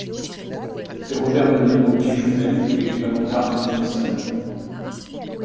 C'est Robert De Niro qui joue Ben, l'équivalent d'Art Linson.